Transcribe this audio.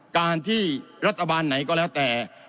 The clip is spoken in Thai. การที่รัฐบาลไหนก็แล้วแต่